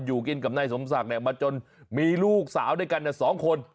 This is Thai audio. อยู่กินกับนายสมศักดิ์มาจนมีลูกสาวด้วยกัน๒คน